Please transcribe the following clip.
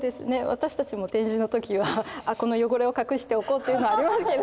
私たちも展示の時は「あっこの汚れを隠しておこう」っていうのはありますけれど。